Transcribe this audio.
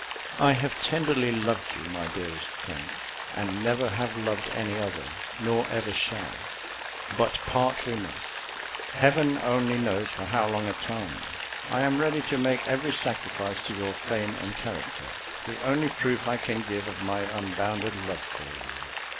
I have tenderly loved you, my dearest Frank, and never have loved any other, nor ever shall; but part we must: Heaven only knows for how long a time. I am ready to make every sacrifice to your fame and character the only proof I can give of my unbounded love for you."